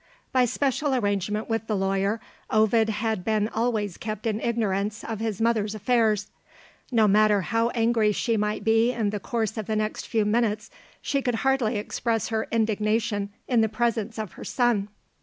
By special arrangement with the lawyer, Ovid had been always kept in ignorance of his mother's affairs. No matter how angry she might be in the course of the next few minutes, she could hardly express her indignation in the presence of her son.